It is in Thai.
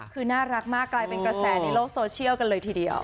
คือน่ารักมากกลายเป็นกระแสในโลกโซเชียลกันเลยทีเดียว